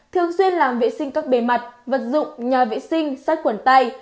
thường xuyên làm vệ sinh các bề mặt vật dụng nhà vệ sinh sách khuẩn tay